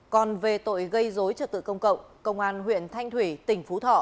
còn về tội gây dối trật tự công cộng công an huyện thanh thủy tỉnh phú thọ